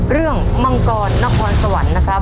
เรื่องมังกรนครสวรรค์นะครับ